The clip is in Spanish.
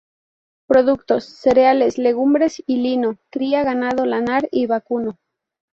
Productos: cereales, legumbre y lino; cría ganado lanar y vacuno.